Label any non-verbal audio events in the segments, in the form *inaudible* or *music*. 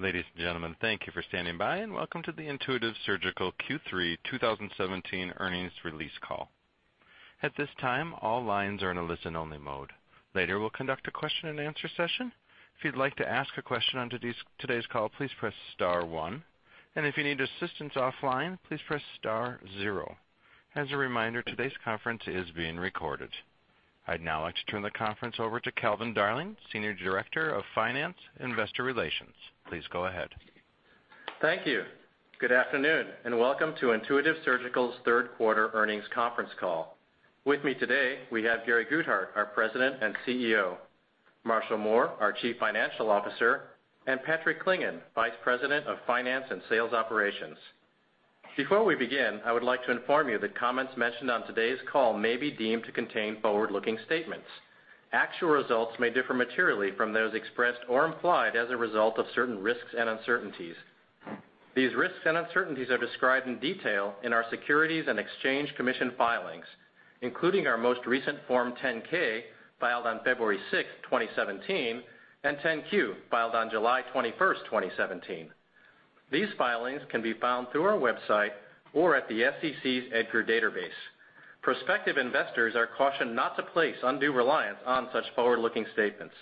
Ladies and gentlemen, thank you for standing by. Welcome to the Intuitive Surgical Q3 2017 earnings release call. At this time, all lines are in a listen-only mode. Later, we'll conduct a question-and-answer session. If you'd like to ask a question on today's call, please press star one. If you need assistance offline, please press star zero. As a reminder, today's conference is being recorded. I'd now like to turn the conference over to Calvin Darling, Senior Director of Finance, Investor Relations. Please go ahead. Thank you. Good afternoon. Welcome to Intuitive Surgical's third quarter earnings conference call. With me today, we have Gary Guthart, our President and CEO, Marshall Mohr, our Chief Financial Officer, and Patrick Clingan, Vice President of Finance and Sales Operations. Before we begin, I would like to inform you that comments mentioned on today's call may be deemed to contain forward-looking statements. Actual results may differ materially from those expressed or implied as a result of certain risks and uncertainties. These risks and uncertainties are described in detail in our Securities and Exchange Commission filings, including our most recent Form 10-K filed on February 6th, 2017, and 10-Q, filed on July 21st, 2017. These filings can be found through our website or at the SEC's EDGAR database. Prospective investors are cautioned not to place undue reliance on such forward-looking statements.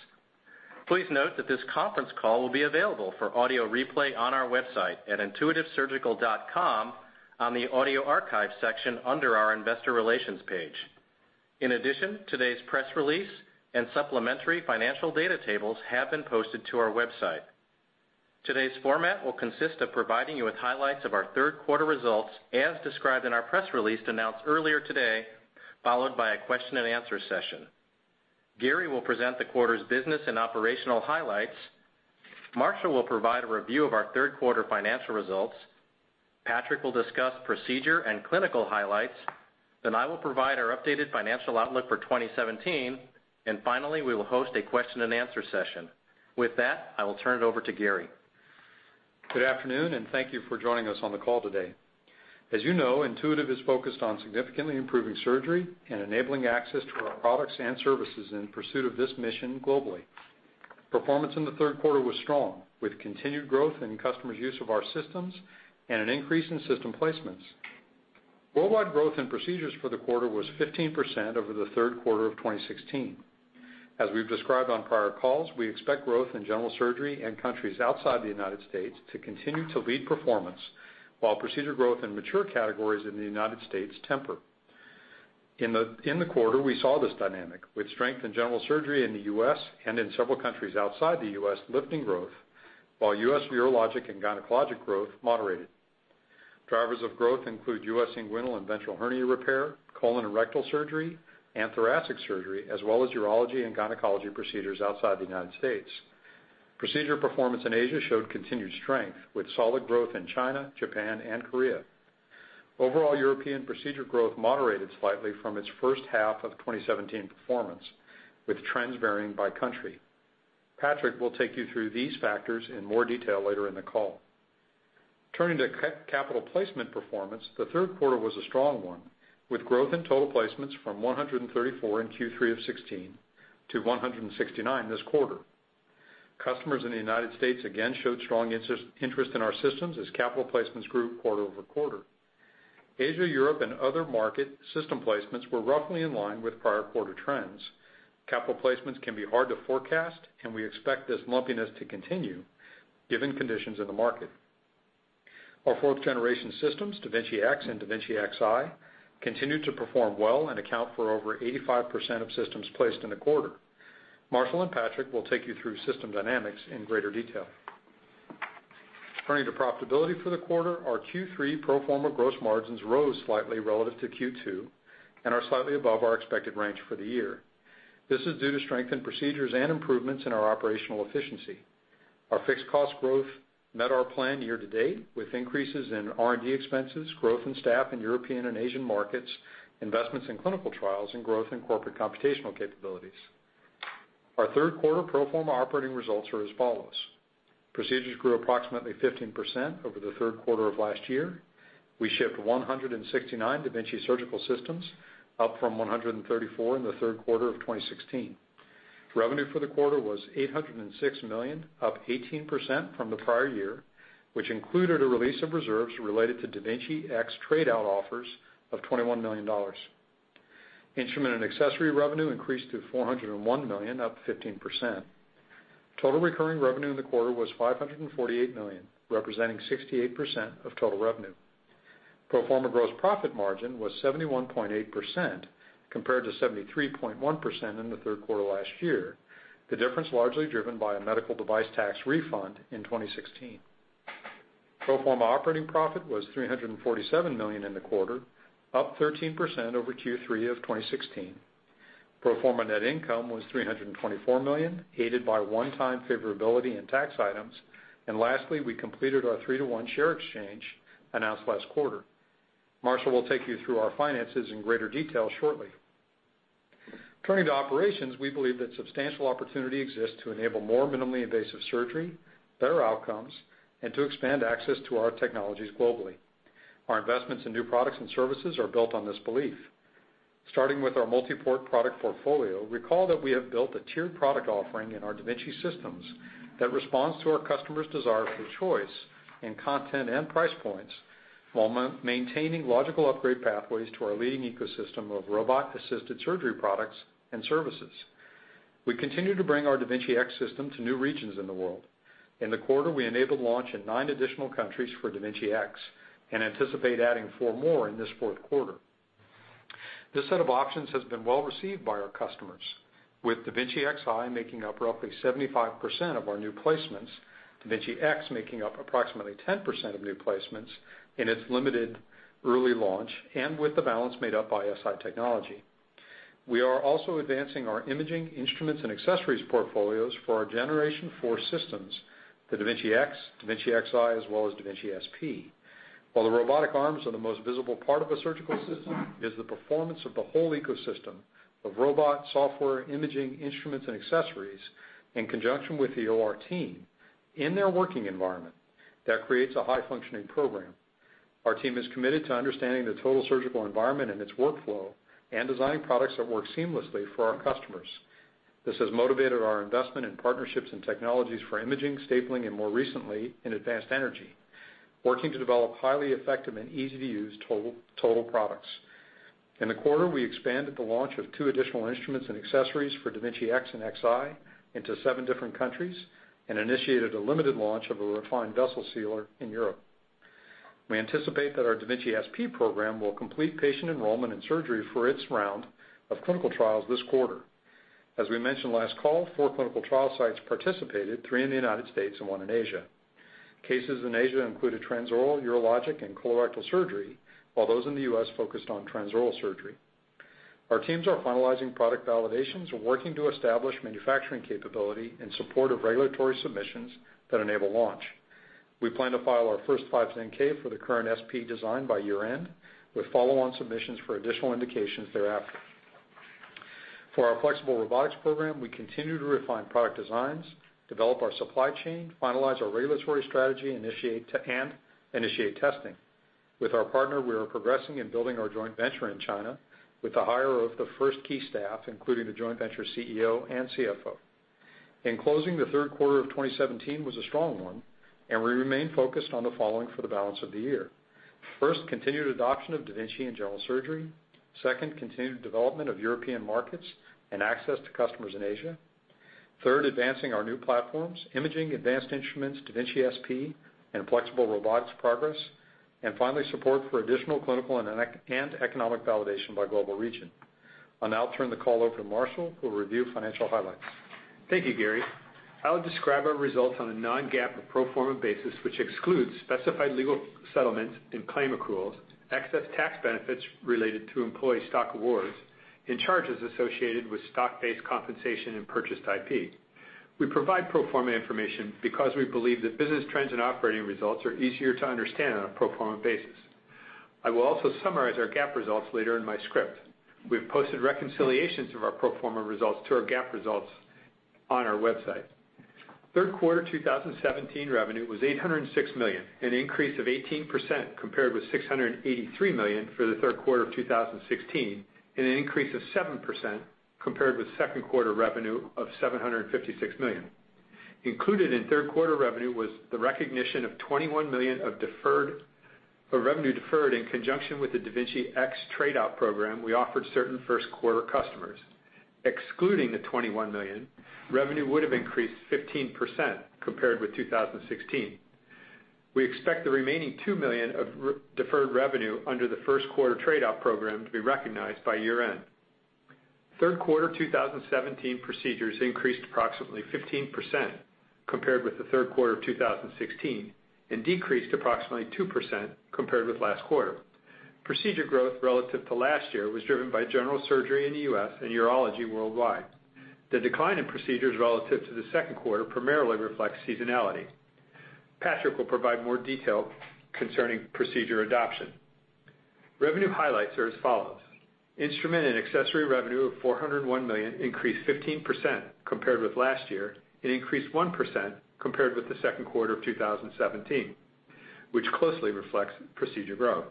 Please note that this conference call will be available for audio replay on our website at intuitivesurgical.com on the Audio Archive section under our Investor Relations page. In addition, today's press release and supplementary financial data tables have been posted to our website. Today's format will consist of providing you with highlights of our third quarter results, as described in our press release announced earlier today, followed by a question-and-answer session. Gary will present the quarter's business and operational highlights. Marshall will provide a review of our third quarter financial results. Patrick will discuss procedure and clinical highlights. I will provide our updated financial outlook for 2017. Finally, we will host a question-and-answer session. With that, I will turn it over to Gary. Good afternoon. Thank you for joining us on the call today. As you know, Intuitive is focused on significantly improving surgery and enabling access to our products and services in pursuit of this mission globally. Performance in the third quarter was strong, with continued growth in customers' use of our systems and an increase in system placements. Worldwide growth in procedures for the quarter was 15% over the third quarter of 2016. As we've described on prior calls, we expect growth in general surgery and countries outside the U.S. to continue to lead performance while procedure growth in mature categories in the U.S. temper. In the quarter, we saw this dynamic, with strength in general surgery in the U.S. and in several countries outside the U.S. lifting growth, while U.S. urologic and gynecologic growth moderated. Drivers of growth include U.S. inguinal and ventral hernia repair, colon and rectal surgery, and thoracic surgery, as well as urology and gynecology procedures outside the United States. Procedure performance in Asia showed continued strength, with solid growth in China, Japan and Korea. Overall European procedure growth moderated slightly from its first half of 2017 performance, with trends varying by country. Patrick will take you through these factors in more detail later in the call. Turning to capital placement performance, the third quarter was a strong one, with growth in total placements from 134 in Q3 of 2016 to 169 this quarter. Customers in the United States again showed strong interest in our systems as capital placements grew quarter-over-quarter. Asia, Europe, and other market system placements were roughly in line with prior quarter trends. Capital placements can be hard to forecast. We expect this lumpiness to continue given conditions in the market. Our fourth-generation systems, da Vinci X and da Vinci Xi, continued to perform well and account for over 85% of systems placed in the quarter. Marshall and Patrick will take you through system dynamics in greater detail. Turning to profitability for the quarter, our Q3 pro forma gross margins rose slightly relative to Q2 and are slightly above our expected range for the year. This is due to strength in procedures and improvements in our operational efficiency. Our fixed cost growth met our plan year-to-date, with increases in R&D expenses, growth in staff in European and Asian markets, investments in clinical trials, and growth in corporate computational capabilities. Our third quarter pro forma operating results are as follows. Procedures grew approximately 15% over the third quarter of last year. We shipped 169 da Vinci Surgical Systems, up from 134 in the third quarter of 2016. Revenue for the quarter was $806 million, up 18% from the prior year, which included a release of reserves related to da Vinci X trade-out offers of $21 million. Instrument and accessory revenue increased to $401 million, up 15%. Total recurring revenue in the quarter was $548 million, representing 68% of total revenue. Pro forma gross profit margin was 71.8% compared to 73.1% in the third quarter last year, the difference largely driven by a medical device tax refund in 2016. Pro forma operating profit was $347 million in the quarter, up 13% over Q3 of 2016. Pro forma net income was $324 million, aided by one-time favorability in tax items. Lastly, we completed our 3-to-1 share exchange announced last quarter. Marshall will take you through our finances in greater detail shortly. Turning to operations, we believe that substantial opportunity exists to enable more minimally invasive surgery, better outcomes, and to expand access to our technologies globally. Our investments in new products and services are built on this belief. Starting with our multi-port product portfolio, recall that we have built a tiered product offering in our da Vinci systems that responds to our customers' desire for choice in content and price points while maintaining logical upgrade pathways to our leading ecosystem of robot-assisted surgery products and services. We continue to bring our da Vinci X system to new regions in the world. In the quarter, we enabled launch in nine additional countries for da Vinci X and anticipate adding four more in this fourth quarter. This set of options has been well received by our customers, with da Vinci Xi making up roughly 75% of our new placements, da Vinci X making up approximately 10% of new placements in its limited early launch, and with the balance made up by Si technology. We are also advancing our imaging instruments and accessories portfolios for our Generation 4 systems, the da Vinci X, da Vinci Xi, as well as da Vinci SP. While the robotic arms are the most visible part of a surgical system, it is the performance of the whole ecosystem of robot, software, imaging, instruments, and accessories in conjunction with the OR team in their working environment that creates a high-functioning program. Our team is committed to understanding the total surgical environment and its workflow and designing products that work seamlessly for our customers. This has motivated our investment in partnerships and technologies for imaging, stapling, and more recently, in advanced energy, working to develop highly effective and easy-to-use total products. In the quarter, we expanded the launch of two additional instruments and accessories for da Vinci X and Xi into seven different countries and initiated a limited launch of a refined vessel sealer in Europe. We anticipate that our da Vinci SP program will complete patient enrollment and surgery for its round of clinical trials this quarter. As we mentioned last call, four clinical trial sites participated, three in the U.S. and one in Asia. Cases in Asia included transoral, urologic, and colorectal surgery, while those in the U.S. focused on transoral surgery. Our teams are finalizing product validations and working to establish manufacturing capability in support of regulatory submissions that enable launch. We plan to file our first 510(k) for the current SP design by year-end, with follow-on submissions for additional indications thereafter. For our flexible robotics program, we continue to refine product designs, develop our supply chain, finalize our regulatory strategy, and initiate testing. With our partner, we are progressing in building our joint venture in China with the hire of the first key staff, including the joint venture CEO and CFO. In closing, the third quarter of 2017 was a strong one, we remain focused on the following for the balance of the year. First, continued adoption of da Vinci in general surgery. Second, continued development of European markets and access to customers in Asia. Third, advancing our new platforms, imaging, advanced instruments, da Vinci SP, and flexible robotics progress. Finally, support for additional clinical and economic validation by global region. I'll now turn the call over to Marshall, who will review financial highlights. Thank you, Gary. I'll describe our results on a non-GAAP or pro forma basis, which excludes specified legal settlements and claim accruals, excess tax benefits related to employee stock awards, and charges associated with stock-based compensation and purchased IP. We provide pro forma information because we believe that business trends and operating results are easier to understand on a pro forma basis. I will also summarize our GAAP results later in my script. We've posted reconciliations of our pro forma results to our GAAP results on our website. Third quarter 2017 revenue was $806 million, an increase of 18% compared with $683 million for the third quarter of 2016, and an increase of 7% compared with second quarter revenue of $756 million. Included in third quarter revenue was the recognition of $21 million of revenue deferred in conjunction with the da Vinci X trade-out program we offered certain first-quarter customers. Excluding the $21 million, revenue would have increased 15% compared with 2016. We expect the remaining $2 million of deferred revenue under the first-quarter trade-out program to be recognized by year-end. Third quarter 2017 procedures increased approximately 15% compared with the third quarter of 2016 and decreased approximately 2% compared with last quarter. Procedure growth relative to last year was driven by general surgery in the U.S. and urology worldwide. The decline in procedures relative to the second quarter primarily reflects seasonality. Patrick will provide more detail concerning procedure adoption. Revenue highlights are as follows. Instrument and accessory revenue of $401 million increased 15% compared with last year and increased 1% compared with the second quarter of 2017, which closely reflects procedure growth.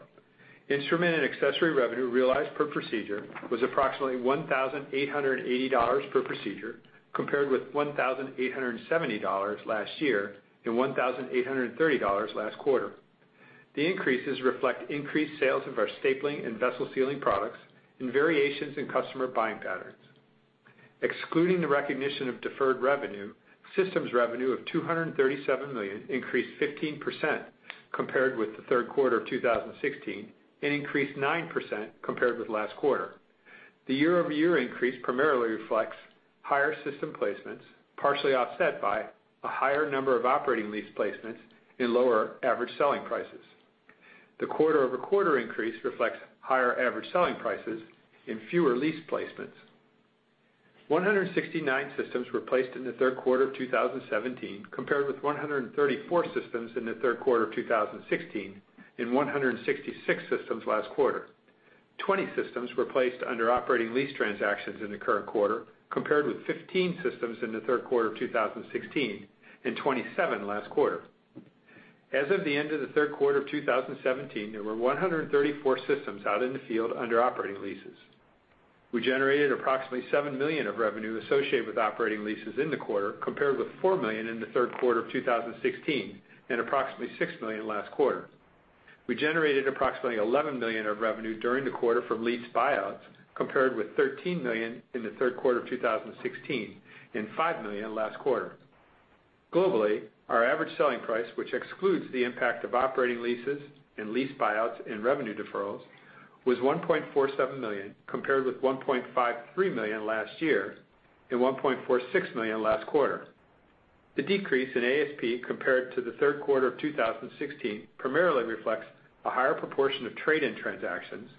Instrument and accessory revenue realized per procedure was approximately $1,880 per procedure, compared with $1,870 last year and $1,830 last quarter. The increases reflect increased sales of our stapling and vessel sealing products and variations in customer buying patterns. Excluding the recognition of deferred revenue, systems revenue of $237 million increased 15% compared with the third quarter of 2016 and increased 9% compared with last quarter. The year-over-year increase primarily reflects higher system placements, partially offset by a higher number of operating lease placements and lower average selling prices. The quarter-over-quarter increase reflects higher average selling prices and fewer lease placements. 169 systems were placed in the third quarter of 2017 compared with 134 systems in the third quarter of 2016 and 166 systems last quarter. 20 systems were placed under operating lease transactions in the current quarter, compared with 15 systems in the third quarter of 2016 and 27 last quarter. As of the end of the third quarter of 2017, there were 134 systems out in the field under operating leases. We generated approximately $7 million of revenue associated with operating leases in the quarter, compared with $4 million in the third quarter of 2016 and approximately $6 million last quarter. We generated approximately $11 million of revenue during the quarter from lease buyouts, compared with $13 million in the third quarter of 2016 and $5 million last quarter. Globally, our average selling price, which excludes the impact of operating leases and lease buyouts and revenue deferrals, was $1.47 million, compared with $1.53 million last year and $1.46 million last quarter. The decrease in ASP compared to the third quarter of 2016 primarily reflects a higher proportion of trade-in transactions,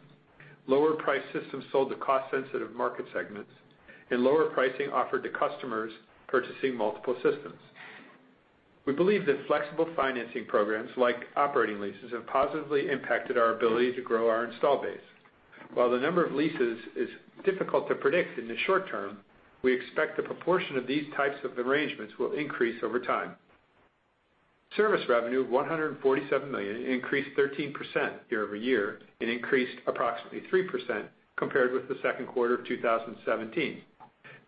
lower priced systems sold to cost-sensitive market segments, and lower pricing offered to customers purchasing multiple systems. We believe that flexible financing programs like operating leases have positively impacted our ability to grow our install base. While the number of leases is difficult to predict in the short term, we expect the proportion of these types of arrangements will increase over time. Service revenue of $147 million increased 13% year-over-year and increased approximately 3% compared with the second quarter of 2017.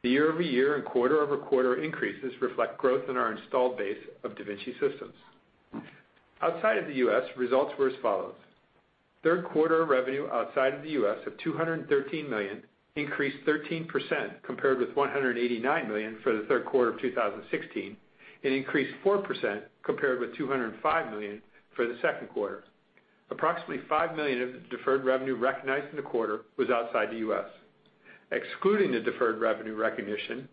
The year-over-year and quarter-over-quarter increases reflect growth in our installed base of da Vinci systems. Outside of the U.S., results were as follows: third quarter revenue outside of the U.S. of $213 million increased 13% compared with $189 million for the third quarter of 2016, and increased 4% compared with $205 million for the second quarter. Approximately $5 million of the deferred revenue recognized in the quarter was outside the U.S. Excluding the deferred revenue recognition,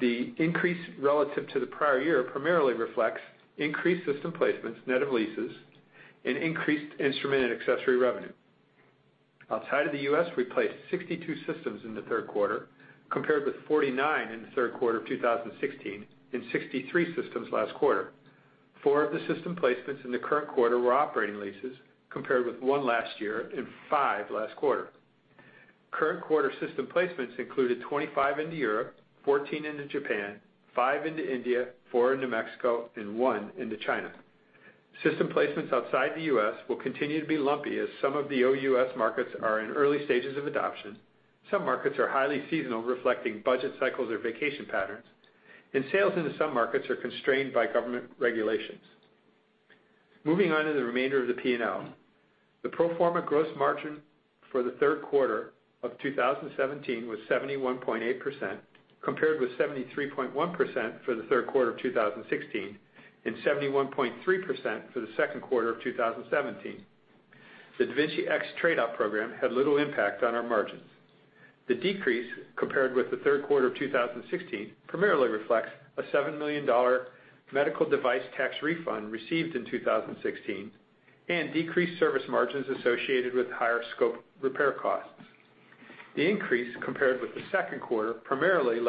the increase relative to the prior year primarily reflects increased system placements net of leases and increased instrument and accessory revenue. Outside of the U.S., we placed 62 systems in the third quarter, compared with 49 in the third quarter of 2016 and 63 systems last quarter. Four of the system placements in the current quarter were operating leases, compared with one last year and five last quarter. Current quarter system placements included 25 into Europe, 14 into Japan, five into India, four into Mexico, and one into China. System placements outside the U.S. will continue to be lumpy as some of the OUS markets are in early stages of adoption, some markets are highly seasonal, reflecting budget cycles or vacation patterns, and sales into some markets are constrained by government regulations. Moving on to the remainder of the P&L. The pro forma gross margin for the third quarter of 2017 was 71.8%, compared with 73.1% for the third quarter of 2016 and 71.3% for the second quarter of 2017. The da Vinci X trade-up program had little impact on our margins. The decrease compared with the third quarter of 2016 primarily reflects a $7 million medical device tax refund received in 2016 and decreased service margins associated with higher scope repair costs. The increase compared with the second quarter primarily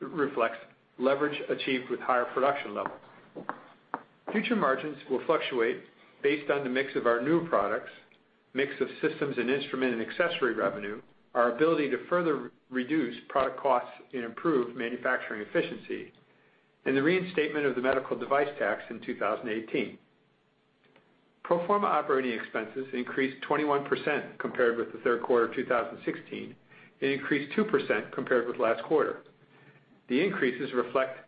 reflects leverage achieved with higher production levels. Future margins will fluctuate based on the mix of our new products, mix of systems and instrument and accessory revenue, our ability to further reduce product costs and improve manufacturing efficiency, and the reinstatement of the medical device tax in 2018. Pro forma operating expenses increased 21% compared with the third quarter of 2016 and increased 2% compared with last quarter. The increases reflect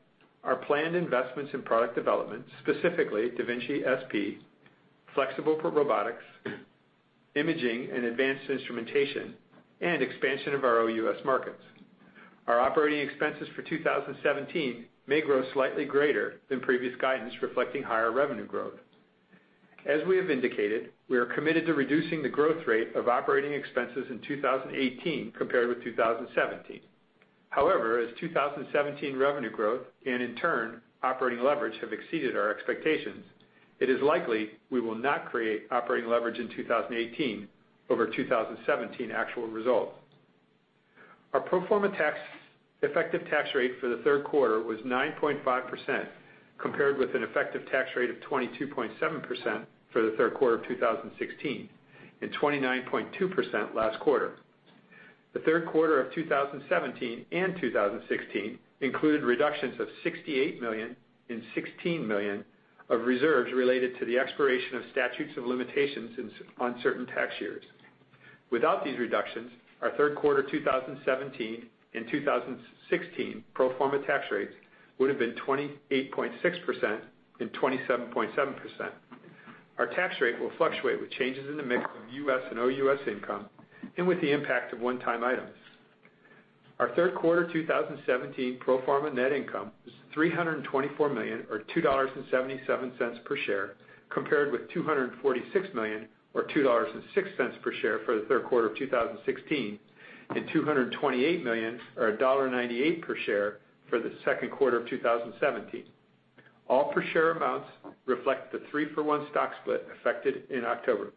our planned investments in product development, specifically da Vinci SP, flexible robotics, imaging and advanced instrumentation, and expansion of our OUS markets. Our operating expenses for 2017 may grow slightly greater than previous guidance, reflecting higher revenue growth. As we have indicated, we are committed to reducing the growth rate of operating expenses in 2018 compared with 2017. As 2017 revenue growth and, in turn, operating leverage have exceeded our expectations, it is likely we will not create operating leverage in 2018 over 2017 actual results. Our pro forma effective tax rate for the third quarter was 9.5%, compared with an effective tax rate of 22.7% for the third quarter of 2016 and 29.2% last quarter. The third quarter of 2017 and 2016 included reductions of $68 million and $16 million of reserves related to the expiration of statutes of limitations on certain tax years. Without these reductions, our third quarter 2017 and 2016 pro forma tax rates would have been 28.6% and 27.7%. Our tax rate will fluctuate with changes in the mix of U.S. and OUS income and with the impact of one-time items. Our third quarter 2017 pro forma net income was $324 million, or $2.77 per share, compared with $246 million, or $2.06 per share for the third quarter of 2016 and $228 million, or $1.98 per share for the second quarter of 2017. All per share amounts reflect the three-for-one stock split affected in October.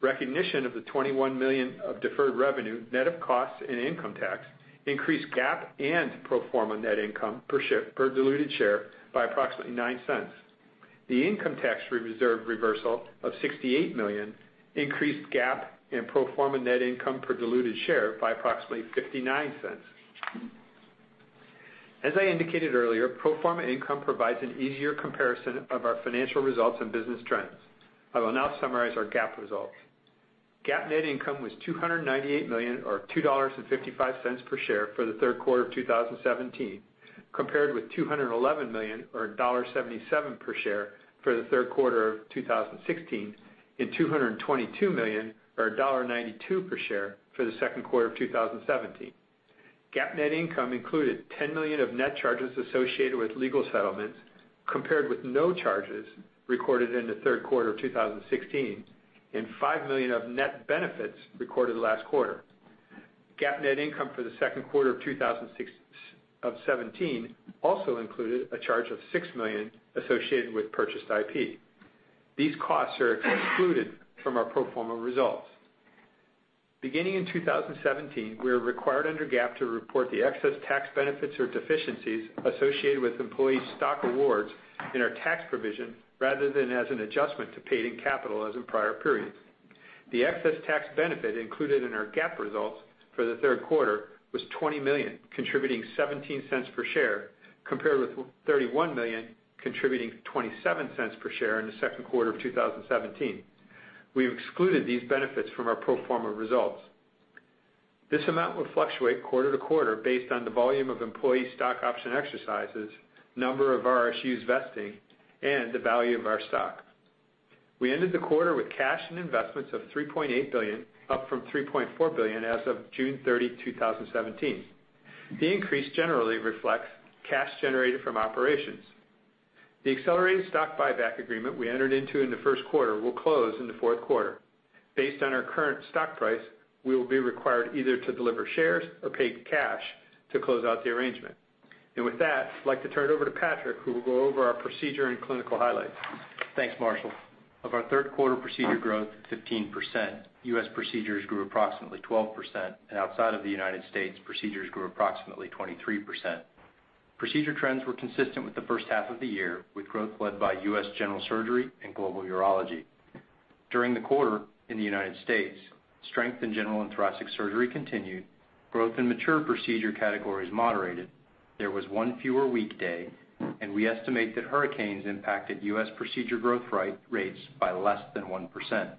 Recognition of the $21 million of deferred revenue, net of costs and income tax, increased GAAP and pro forma net income per diluted share by approximately $0.09. The income tax reserve reversal of $68 million increased GAAP and pro forma net income per diluted share by approximately $0.59. As I indicated earlier, pro forma income provides an easier comparison of our financial results and business trends. I will now summarize our GAAP results. GAAP net income was $298 million or $2.55 per share for the third quarter of 2017, compared with $211 million or $1.77 per share for the third quarter of 2016 and $222 million or $1.92 per share for the second quarter of 2017. GAAP net income included $10 million of net charges associated with legal settlements, compared with no charges recorded in the third quarter of 2016 and $5 million of net benefits recorded last quarter. GAAP net income for the second quarter of 2017 also included a charge of $6 million associated with purchased IP. These costs are excluded from our pro forma results. Beginning in 2017, we are required under GAAP to report the excess tax benefits or deficiencies associated with employee stock awards in our tax provision rather than as an adjustment to paid in capital as in prior periods. The excess tax benefit included in our GAAP results for the third quarter was $20 million, contributing $0.17 per share, compared with $31 million, contributing $0.27 per share in the second quarter of 2017. We've excluded these benefits from our pro forma results. This amount will fluctuate quarter to quarter based on the volume of employee stock option exercises, number of RSUs vesting, and the value of our stock. We ended the quarter with cash and investments of $3.8 billion, up from $3.4 billion as of June 30, 2017. The increase generally reflects cash generated from operations. The accelerated stock buyback agreement we entered into in the first quarter will close in the fourth quarter. Based on our current stock price, we will be required either to deliver shares or pay cash to close out the arrangement. With that, I'd like to turn it over to Patrick, who will go over our procedure and clinical highlights. Thanks, Marshall. Of our third quarter procedure growth, 15%, U.S. procedures grew approximately 12%, and outside of the United States, procedures grew approximately 23%. Procedure trends were consistent with the first half of the year, with growth led by U.S. general surgery and global urology. During the quarter in the United States, strength in general and thoracic surgery continued, growth in mature procedure categories moderated, there was one fewer weekday, and we estimate that hurricanes impacted U.S. procedure growth rates by less than 1%.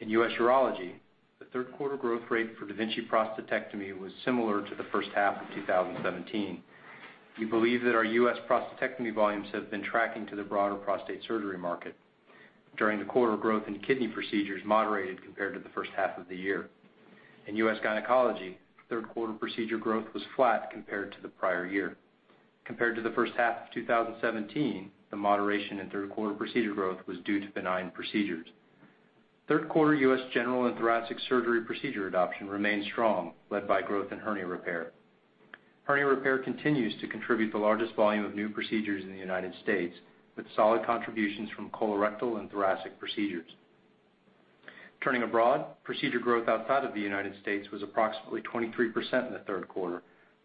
In U.S. urology, the third quarter growth rate for da Vinci prostatectomy was similar to the first half of 2017. We believe that our U.S. prostatectomy volumes have been tracking to the broader prostate surgery market. During the quarter, growth in kidney procedures moderated compared to the first half of the year. In U.S. gynecology, third quarter procedure growth was flat compared to the prior year. Compared to the first half of 2017, the moderation in third quarter procedure growth was due to benign procedures. Third quarter U.S. general and thoracic surgery procedure adoption remained strong, led by growth in hernia repair. Hernia repair continues to contribute the largest volume of new procedures in the United States, with solid contributions from colorectal and thoracic procedures. Turning abroad, procedure growth outside of the United States was approximately 23% in the third quarter,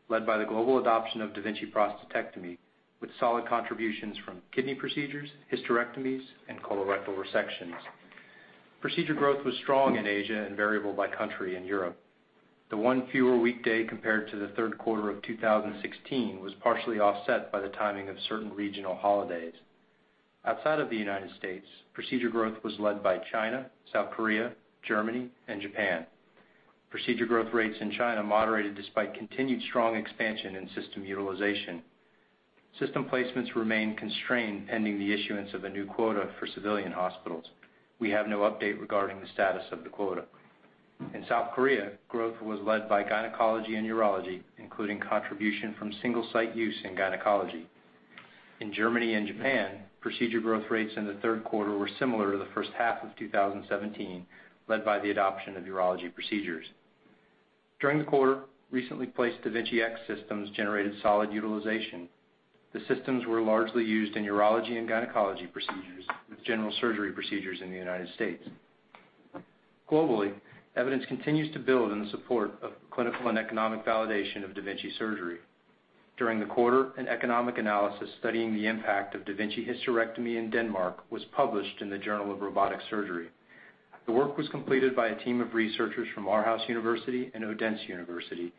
led by the global adoption of da Vinci prostatectomy, with solid contributions from kidney procedures, hysterectomies, and colorectal resections. Procedure growth was strong in Asia and variable by country in Europe. The one fewer weekday compared to the third quarter of 2016 was partially offset by the timing of certain regional holidays. Outside of the United States, procedure growth was led by China, South Korea, Germany, and Japan. Procedure growth rates in China moderated despite continued strong expansion in system utilization. System placements remain constrained pending the issuance of a new quota for civilian hospitals. We have no update regarding the status of the quota. In South Korea, growth was led by gynecology and urology, including contribution from single-site use in gynecology. In Germany and Japan, procedure growth rates in the third quarter were similar to the first half of 2017, led by the adoption of urology procedures. During the quarter, recently placed da Vinci X systems generated solid utilization. The systems were largely used in urology and gynecology procedures, with general surgery procedures in the United States. Globally, evidence continues to build in the support of clinical and economic validation of da Vinci surgery. During the quarter, an economic analysis studying the impact of da Vinci hysterectomy in Denmark was published in the Journal of Robotic Surgery. The work was completed by a team of researchers from Aarhus University and Odense University.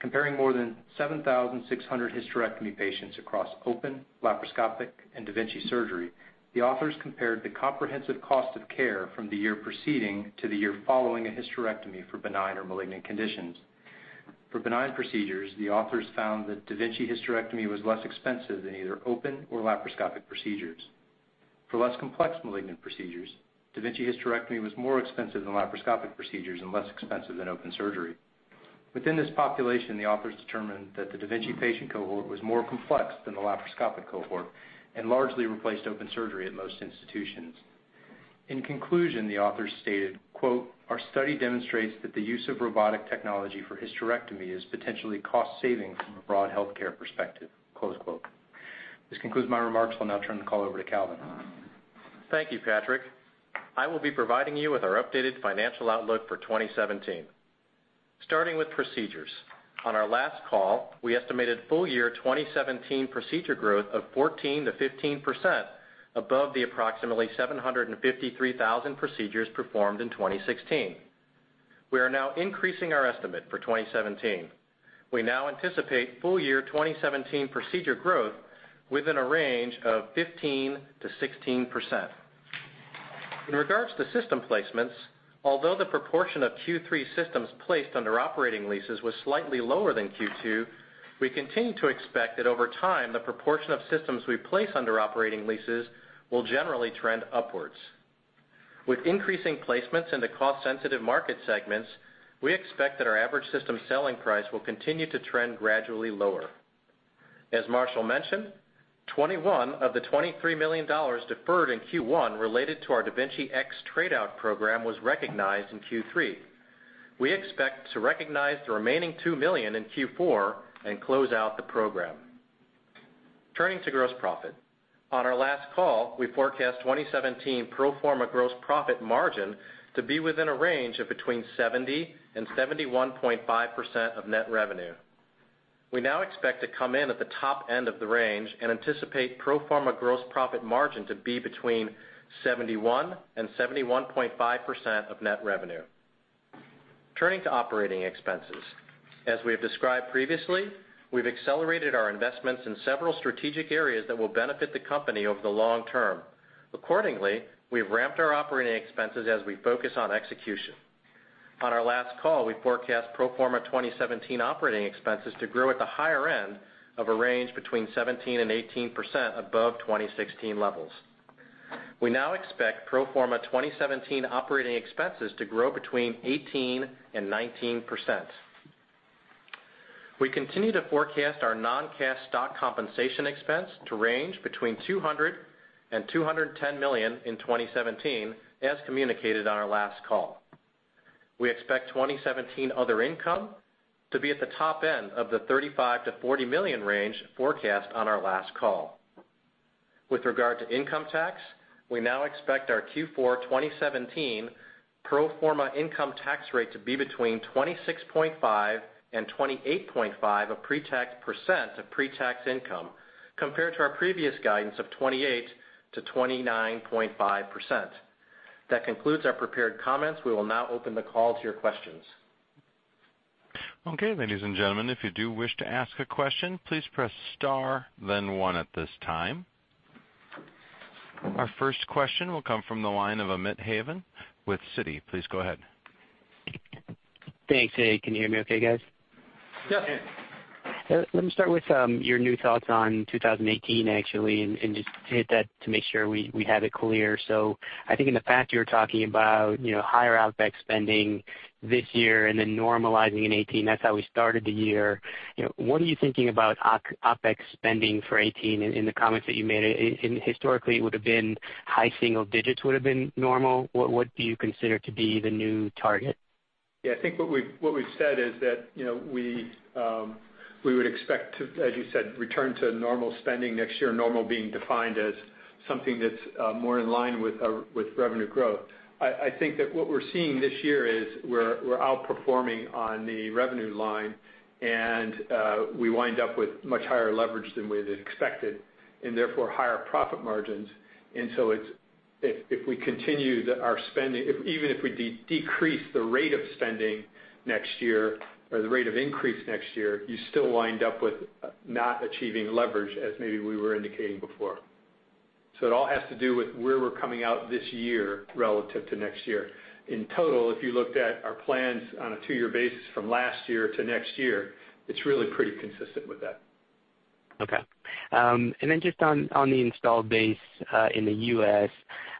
Comparing more than 7,600 hysterectomy patients across open, laparoscopic, and da Vinci surgery, the authors compared the comprehensive cost of care from the year preceding to the year following a hysterectomy for benign or malignant conditions. For benign procedures, the authors found that da Vinci hysterectomy was less expensive than either open or laparoscopic procedures. For less complex malignant procedures, da Vinci hysterectomy was more expensive than laparoscopic procedures and less expensive than open surgery. Within this population, the authors determined that the da Vinci patient cohort was more complex than the laparoscopic cohort and largely replaced open surgery at most institutions. In conclusion, the authors stated, quote, "Our study demonstrates that the use of robotic technology for hysterectomy is potentially cost-saving from a broad healthcare perspective." Close quote. This concludes my remarks. I'll now turn the call over to Calvin. Thank you, Patrick. I will be providing you with our updated financial outlook for 2017. Starting with procedures. On our last call, we estimated full-year 2017 procedure growth of 14%-15% above the approximately 753,000 procedures performed in 2016. We are now increasing our estimate for 2017. We now anticipate full-year 2017 procedure growth within a range of 15%-16%. In regards to system placements, although the proportion of Q3 systems placed under operating leases was slightly lower than Q2, we continue to expect that over time, the proportion of systems we place under operating leases will generally trend upwards. With increasing placements in the cost-sensitive market segments, we expect that our average system selling price will continue to trend gradually lower. As Marshall mentioned, $21 of the $23 million deferred in Q1 related to our da Vinci X trade-out program was recognized in Q3. We expect to recognize the remaining $2 million in Q4 and close out the program. Turning to gross profit. On our last call, we forecast 2017 pro forma gross profit margin to be within a range of between 70% and 71.5% of net revenue. We now expect to come in at the top end of the range and anticipate pro forma gross profit margin to be between 71% and 71.5% of net revenue. Turning to operating expenses. As we have described previously, we've accelerated our investments in several strategic areas that will benefit the company over the long term. Accordingly, we've ramped our operating expenses as we focus on execution. On our last call, we forecast pro forma 2017 operating expenses to grow at the higher end of a range, between 17% and 18% above 2016 levels. We now expect pro forma 2017 operating expenses to grow between 18% and 19%. We continue to forecast our non-cash stock compensation expense to range between $200 million and $210 million in 2017, as communicated on our last call. We expect 2017 other income to be at the top end of the $35 million to $40 million range forecast on our last call. With regard to income tax, we now expect our Q4 2017 pro forma income tax rate to be between 26.5% and 28.5% of pre-tax income, compared to our previous guidance of 28% to 29.5%. That concludes our prepared comments. We will now open the call to your questions. Okay, ladies and gentlemen, if you do wish to ask a question, please press star then one at this time. Our first question will come from the line of Amit Hazan with Citi. Please go ahead. Thanks. Can you hear me okay, guys? Yes. Let me start with your new thoughts on 2018, actually, and just to hit that to make sure we have it clear. I think in the past, you were talking about higher OpEx spending this year and then normalizing in 2018. That's how we started the year. What are you thinking about OpEx spending for 2018 in the comments that you made? Historically, it would've been high single digits would've been normal. What do you consider to be the new target? I think what we've said is that we would expect to, as you said, return to normal spending next year. Normal being defined as something that's more in line with revenue growth. I think that what we're seeing this year is we're outperforming on the revenue line, and we wind up with much higher leverage than we'd expected, and therefore, higher profit margins. If we continue our spending, even if we decrease the rate of spending next year or the rate of increase next year, you still wind up with not achieving leverage as maybe we were indicating before. It all has to do with where we're coming out this year relative to next year. In total, if you looked at our plans on a two-year basis from last year to next year, it's really pretty consistent with that. Just on the installed base in the U.S.,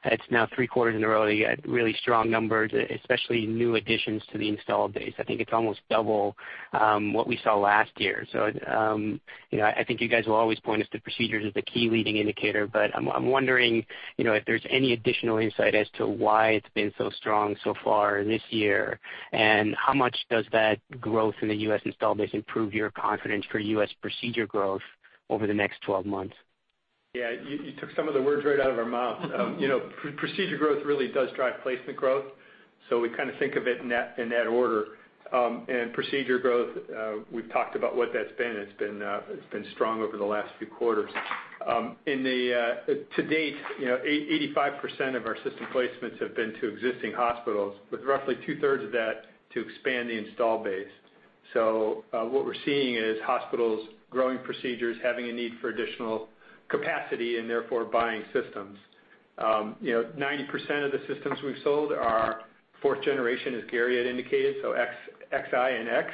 it's now three quarters in a row you got really strong numbers, especially new additions to the installed base. I think it's almost double what we saw last year. I think you guys will always point us to procedures as the key leading indicator, but I'm wondering if there's any additional insight as to why it's been so strong so far this year, and how much does that growth in the U.S. install base improve your confidence for U.S. procedure growth over the next 12 months? You took some of the words right out of our mouth. Procedure growth really does drive placement growth, we kind of think of it in that order. Procedure growth, we've talked about what that's been. It's been strong over the last few quarters. To date, 85% of our system placements have been to existing hospitals, with roughly two-thirds of that to expand the install base. What we're seeing is hospitals growing procedures, having a need for additional capacity and therefore buying systems. 90% of the systems we've sold are fourth generation, as Gary had indicated, XI and X.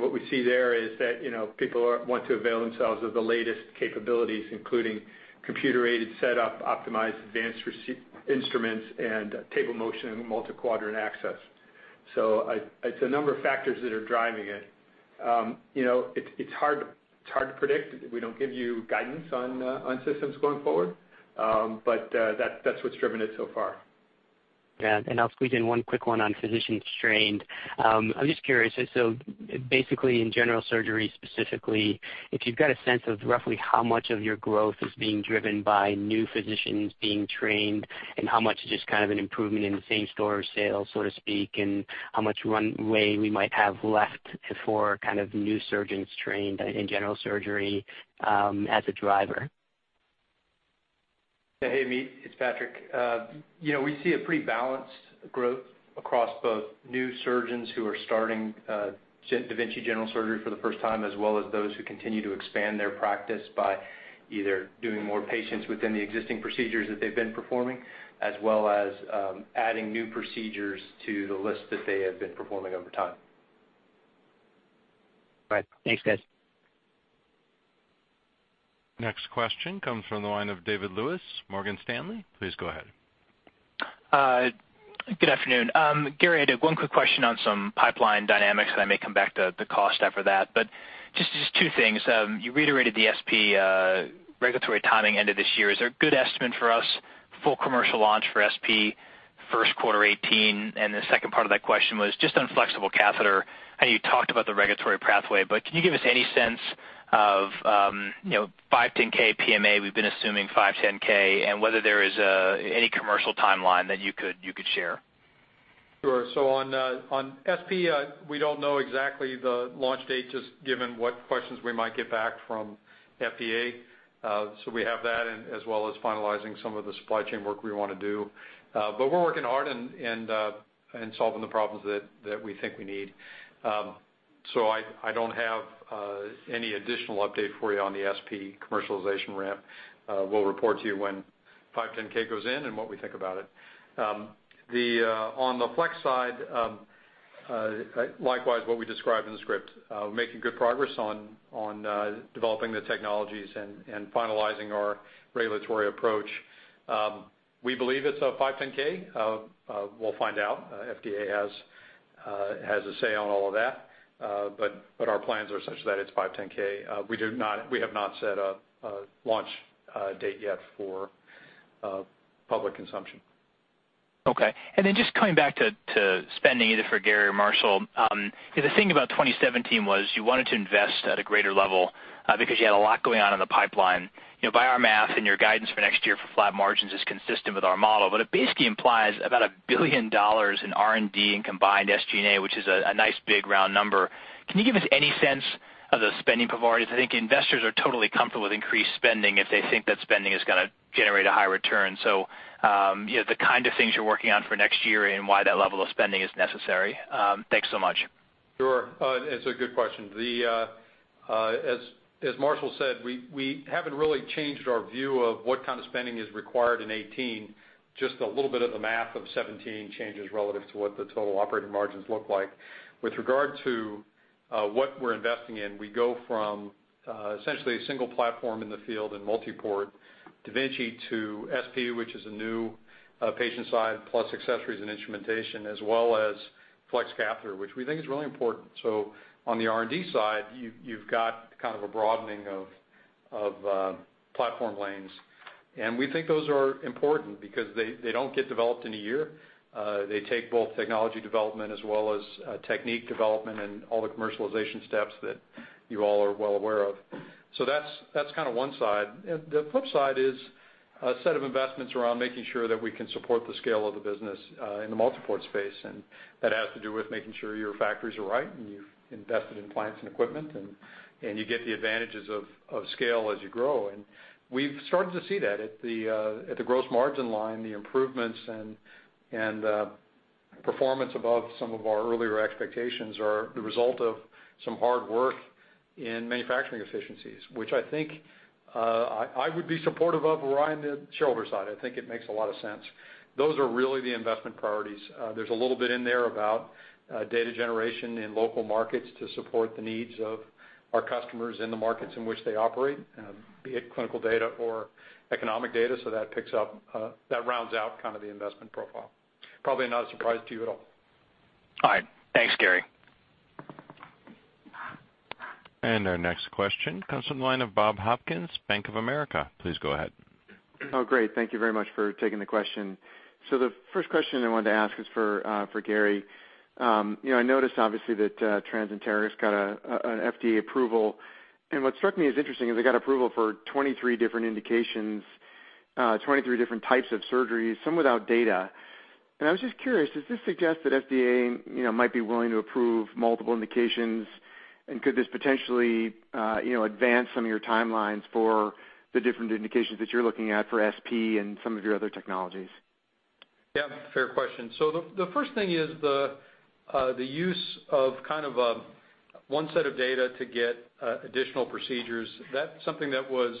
What we see there is that people want to avail themselves of the latest capabilities, including computer-aided setup, optimized advanced wrist instruments, and table motion and multi-quadrant access. It's a number of factors that are driving it. It's hard to predict. We don't give you guidance on systems going forward, that's what's driven it so far. Yeah. I'll squeeze in one quick one on physicians trained. I'm just curious, basically in general surgery specifically, if you've got a sense of roughly how much of your growth is being driven by new physicians being trained and how much is just kind of an improvement in the same store sales, so to speak, and how much runway we might have left for kind of new surgeons trained in general surgery as a driver. Hey, Amit, it's Patrick. We see a pretty balanced growth across both new surgeons who are starting da Vinci general surgery for the first time, as well as those who continue to expand their practice by either doing more patients within the existing procedures that they've been performing, as well as adding new procedures to the list that they have been performing over time. Right. Thanks, guys. Next question comes from the line of David Lewis, Morgan Stanley. Please go ahead. Good afternoon. Gary, I had one quick question on some pipeline dynamics that I may come back to the cost after that, but just two things. You reiterated the da Vinci SP regulatory timing end of this year. Is there a good estimate for us, full commercial launch for da Vinci SP first quarter 2018? The second part of that question was just on flexible catheter, how you talked about the regulatory pathway. Can you give us any sense of 510(k) PMA, we've been assuming 510(k), and whether there is any commercial timeline that you could share? Sure. On da Vinci SP, we don't know exactly the launch date, just given what questions we might get back from FDA. We have that, as well as finalizing some of the supply chain work we want to do. We're working hard in solving the problems that we think we need. I don't have any additional update for you on the da Vinci SP commercialization ramp. We'll report to you when 510(k) goes in and what we think about it. On the flex side, likewise, what we described in the script. Making good progress on developing the technologies and finalizing our regulatory approach. We believe it's a 510(k). We'll find out. FDA has a say on all of that. Our plans are such that it's 510(k). We have not set a launch date yet for public consumption. Okay. Just coming back to spending, either for Gary or Marshall Mohr. The thing about 2017 was you wanted to invest at a greater level because you had a lot going on in the pipeline. By our math and your guidance for next year for flat margins is consistent with our model, it basically implies about $1 billion in R&D and combined SG&A, which is a nice big round number. Can you give us any sense of the spending priorities? I think investors are totally comfortable with increased spending if they think that spending is going to generate a high return. The kind of things you're working on for next year and why that level of spending is necessary. Thanks so much. Sure. It's a good question. As Marshall Mohr said, we haven't really changed our view of what kind of spending is required in 2018. Just a little bit of the math of 2017 changes relative to what the total operating margins look like. With regard to what we're investing in, we go from essentially a single platform in the field in multi-port da Vinci Surgical System to da Vinci SP, which is a new patient side, plus accessories and instrumentation, as well as flex catheter, which we think is really important. On the R&D side, you've got kind of a broadening of platform lanes. We think those are important because they don't get developed in a year. They take both technology development as well as technique development and all the commercialization steps that you all are well aware of. That's one side. The flip side is a set of investments around making sure that we can support the scale of the business in the multi-port space. That has to do with making sure your factories are right and you've invested in plants and equipment, and you get the advantages of scale as you grow. We've started to see that at the gross margin line, the improvements and performance above some of our earlier expectations are the result of some hard work in manufacturing efficiencies, which I think I would be supportive of *inaudible* the shareholder side. I think it makes a lot of sense. Those are really the investment priorities. There's a little bit in there about data generation in local markets to support the needs of our customers in the markets in which they operate, be it clinical data or economic data. That rounds out kind of the investment profile. Probably not a surprise to you at all. All right. Thanks, Gary. Our next question comes from the line of Bob Hopkins, Bank of America. Please go ahead. Great. Thank you very much for taking the question. The first question I wanted to ask is for Gary. I noticed obviously that TransEnterix got an FDA approval, and what struck me as interesting is they got approval for 23 different indications, 23 different types of surgeries, some without data. I was just curious, does this suggest that FDA might be willing to approve multiple indications? Could this potentially advance some of your timelines for the different indications that you're looking at for SP and some of your other technologies? Yeah, fair question. The first thing is the use of kind of one set of data to get additional procedures. That's something that was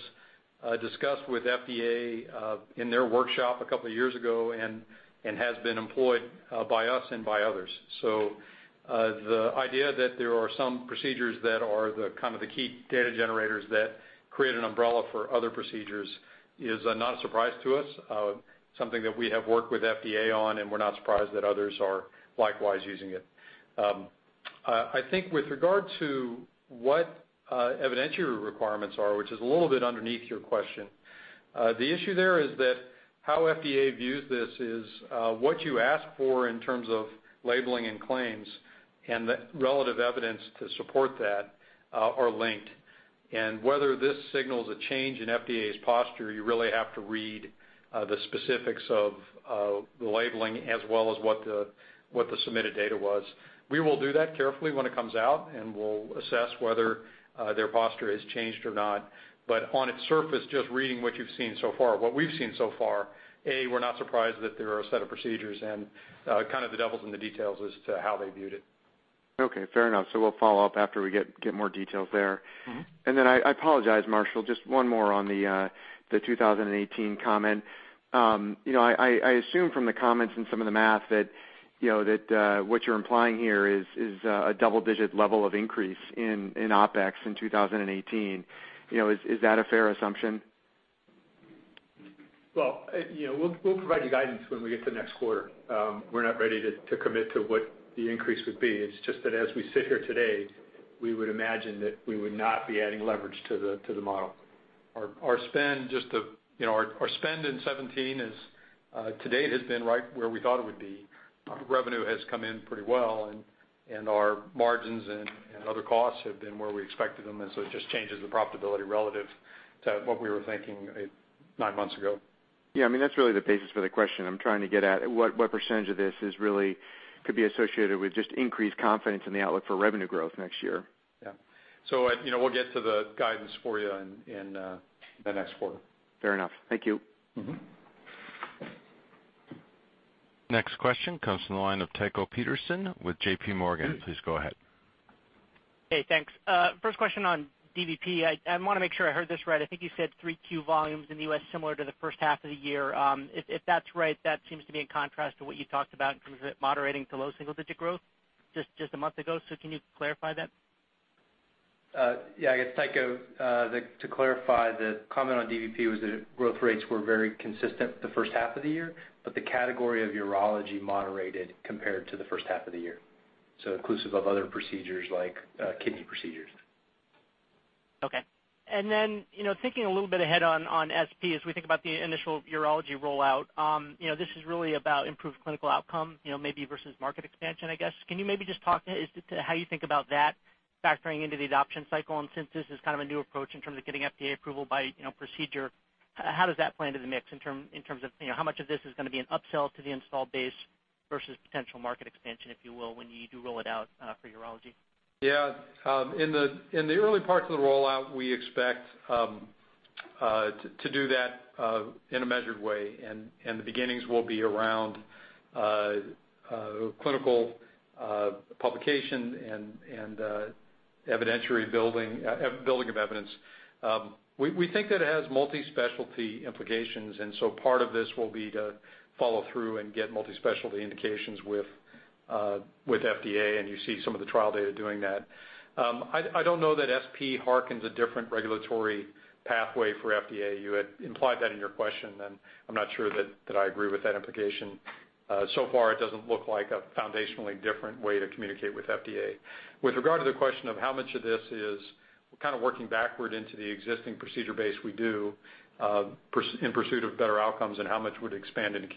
discussed with FDA in their workshop a couple of years ago and has been employed by us and by others. The idea that there are some procedures that are the kind of the key data generators that create an umbrella for other procedures is not a surprise to us. Something that we have worked with FDA on, and we're not surprised that others are likewise using it. I think with regard to what evidentiary requirements are, which is a little bit underneath your question, the issue there is that how FDA views this is what you ask for in terms of labeling and claims, and the relative evidence to support that are linked. Whether this signals a change in FDA's posture, you really have to read the specifics of the labeling as well as what the submitted data was. We will do that carefully when it comes out, and we'll assess whether their posture has changed or not. On its surface, just reading what you've seen so far, what we've seen so far, A, we're not surprised that there are a set of procedures, and kind of the devil's in the details as to how they viewed it. Okay, fair enough. We'll follow up after we get more details there. I apologize, Marshall, just one more on the 2018 comment. I assume from the comments and some of the math that what you're implying here is a double-digit level of increase in OpEx in 2018. Is that a fair assumption? Well, we'll provide you guidance when we get to next quarter. We're not ready to commit to what the increase would be. It's just that as we sit here today, we would imagine that we would not be adding leverage to the model. Our spend in 2017 to date has been right where we thought it would be. Revenue has come in pretty well, and our margins and other costs have been where we expected them. So it just changes the profitability relative to what we were thinking nine months ago. Yeah, that's really the basis for the question. I'm trying to get at what percentage of this really could be associated with just increased confidence in the outlook for revenue growth next year. Yeah. We'll get to the guidance for you in the next quarter. Fair enough. Thank you. Next question comes from the line of Tycho Peterson with J.P. Morgan. Please go ahead. Hey, thanks. First question on DVP. I want to make sure I heard this right. I think you said 3Q volumes in the U.S. similar to the first half of the year. If that's right, that seems to be in contrast to what you talked about in terms of it moderating to low single-digit growth just a month ago. Can you clarify that? Yeah, I guess, Tycho, to clarify, the comment on DVP was that growth rates were very consistent the first half of the year, but the category of urology moderated compared to the first half of the year. Inclusive of other procedures like kidney procedures. Okay. Thinking a little bit ahead on SP as we think about the initial urology rollout. This is really about improved clinical outcome maybe versus market expansion, I guess. Can you maybe just talk to how you think about that factoring into the adoption cycle? Since this is kind of a new approach in terms of getting FDA approval by procedure, how does that play into the mix in terms of how much of this is going to be an upsell to the installed base versus potential market expansion, if you will, when you do roll it out for urology? In the early parts of the rollout, we expect to do that in a measured way, and the beginnings will be around clinical publication and building of evidence. We think that it has multi-specialty implications, and so part of this will be to follow through and get multi-specialty indications with FDA, and you see some of the trial data doing that. I don't know that SP harkens a different regulatory pathway for FDA. You had implied that in your question, and I'm not sure that I agree with that implication. It doesn't look like a foundationally different way to communicate with FDA. With regard to the question of how much of this is kind of working backward into the existing procedure base we do in pursuit of better outcomes and how much would expand an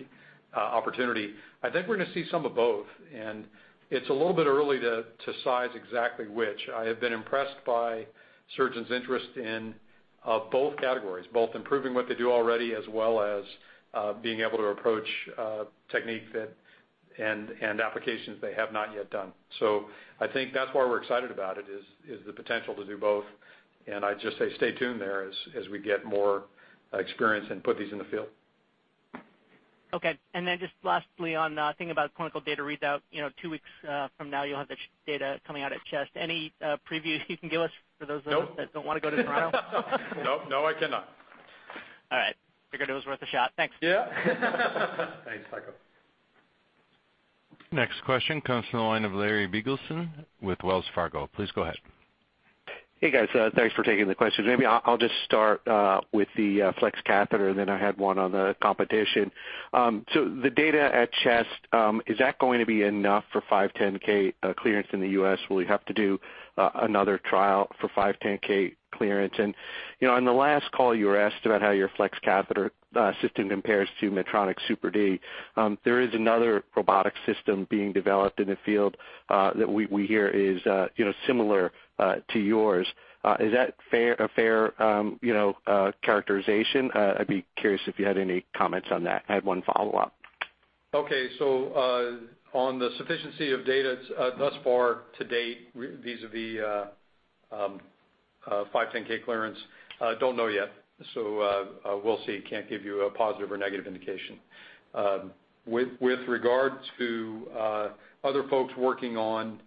opportunity, I think we're going to see some of both, and it's a little bit early to size exactly which. I have been impressed by surgeons' interest in both categories, both improving what they do already, as well as being able to approach a technique and applications they have not yet done. I think that's why we're excited about it, is the potential to do both. I'd just say stay tuned there as we get more experience and put these in the field. Okay. Just lastly on thinking about clinical data readout. Two weeks from now, you'll have the data coming out at CHEST. Any preview you can give us for those of us? Nope that don't want to go to Toronto? Nope. No, I cannot. All right. Figured it was worth a shot. Thanks. Yeah. Thanks, Tycho. Next question comes from the line of Larry Biegelsen with Wells Fargo. Please go ahead. Hey, guys. Thanks for taking the question. Maybe I'll just start with the flex catheter, then I had one on the competition. The data at CHEST, is that going to be enough for 510(k) clearance in the U.S.? Will you have to do another trial for 510(k) clearance? In the last call, you were asked about how your flex catheter system compares to Medtronic's superDimension. There is another robotic system being developed in the field that we hear is similar to yours. Is that a fair characterization? I'd be curious if you had any comments on that. I have one follow-up. Okay. On the sufficiency of data thus far to date vis-a-vis 510(k) clearance, don't know yet. We'll see. Can't give you a positive or negative indication. With regard to other folks working on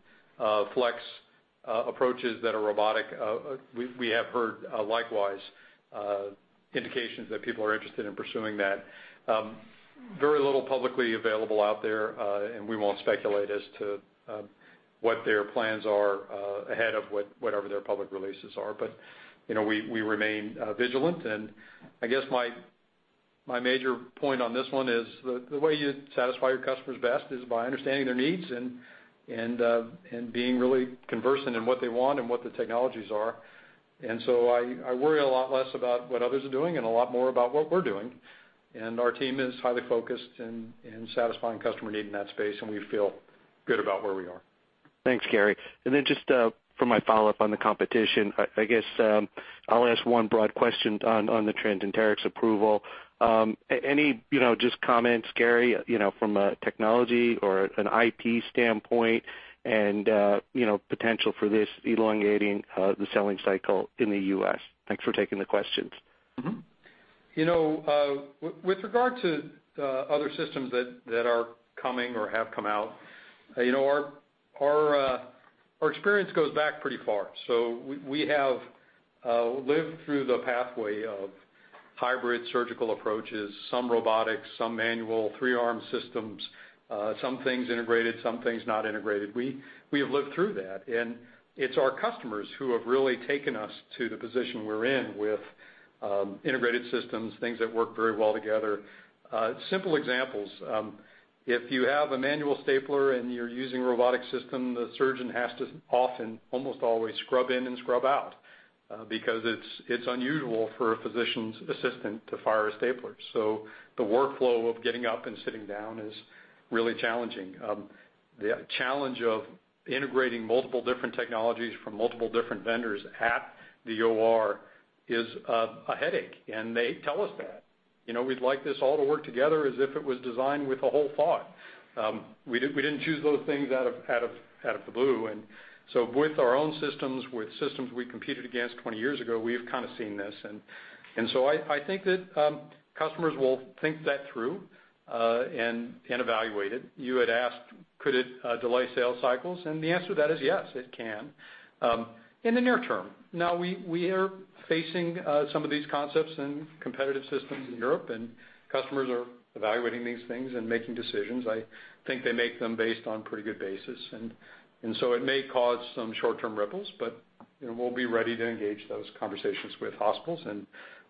flex approaches that are robotic, we have heard likewise indications that people are interested in pursuing that. Very little publicly available out there, and we won't speculate as to what their plans are ahead of whatever their public releases are. We remain vigilant. I guess my major point on this one is the way you satisfy your customers best is by understanding their needs and being really conversant in what they want and what the technologies are. I worry a lot less about what others are doing and a lot more about what we're doing. Our team is highly focused in satisfying customer need in that space, and we feel good about where we are. Thanks, Gary. Just for my follow-up on the competition, I guess I'll ask one broad question on the TransEnterix approval. Any just comments, Gary, from a technology or an IP standpoint and potential for this elongating the selling cycle in the U.S.? Thanks for taking the questions. With regard to other systems that are coming or have come out, our experience goes back pretty far. We have lived through the pathway of hybrid surgical approaches, some robotics, some manual, three-arm systems, some things integrated, some things not integrated. We have lived through that, it's our customers who have really taken us to the position we're in with integrated systems, things that work very well together. Simple examples. If you have a manual stapler and you're using a robotic system, the surgeon has to often, almost always, scrub in and scrub out because it's unusual for a physician's assistant to fire a stapler. The workflow of getting up and sitting down is really challenging. The challenge of integrating multiple different technologies from multiple different vendors at the OR is a headache, and they tell us that. We'd like this all to work together as if it was designed with a whole thought. We didn't choose those things out of the blue. With our own systems, with systems we competed against 20 years ago, we have kind of seen this. I think that customers will think that through and evaluate it. You had asked, could it delay sales cycles? The answer to that is yes, it can, in the near term. Now we are facing some of these concepts and competitive systems in Europe, and customers are evaluating these things and making decisions. I think they make them based on pretty good basis. It may cause some short-term ripples, but we'll be ready to engage those conversations with hospitals.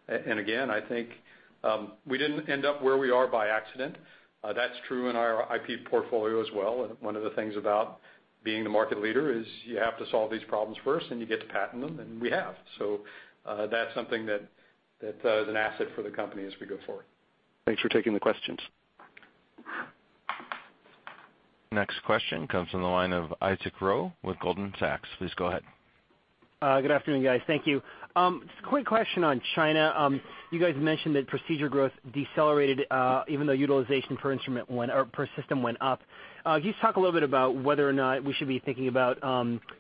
Again, I think we didn't end up where we are by accident. That's true in our IP portfolio as well. One of the things about being the market leader is you have to solve these problems first, and you get to patent them, and we have. That's something that is an asset for the company as we go forward. Thanks for taking the questions. Next question comes from the line of Isaac Ro with Goldman Sachs. Please go ahead. Good afternoon, guys. Thank you. Just a quick question on China. You guys mentioned that procedure growth decelerated even though utilization per instrument or per system went up. Can you just talk a little bit about whether or not we should be thinking about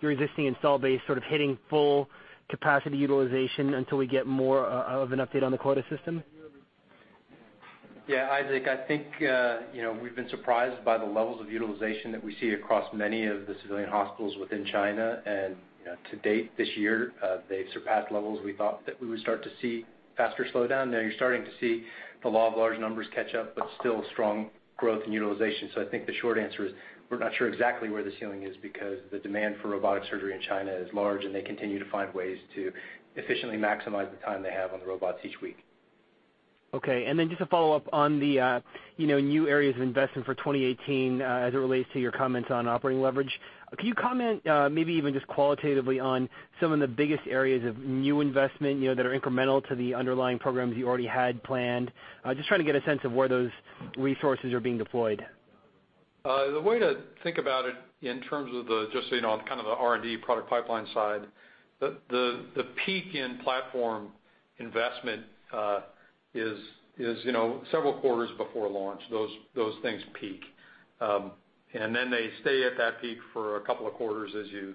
your existing install base sort of hitting full capacity utilization until we get more of an update on the quota system? Yeah, Isaac, I think we've been surprised by the levels of utilization that we see across many of the civilian hospitals within China. To date this year, they've surpassed levels we thought that we would start to see faster slowdown. Now you're starting to see the law of large numbers catch up, but still strong growth in utilization. I think the short answer is, we're not sure exactly where the ceiling is because the demand for robotic surgery in China is large, and they continue to find ways to efficiently maximize the time they have on the robots each week. Okay. Just a follow-up on the new areas of investment for 2018 as it relates to your comments on operating leverage. Can you comment, maybe even just qualitatively, on some of the biggest areas of new investment that are incremental to the underlying programs you already had planned? Just trying to get a sense of where those resources are being deployed. The way to think about it in terms of just the R&D product pipeline side, the peak in platform investment is several quarters before launch. Those things peak. They stay at that peak for a couple of quarters as you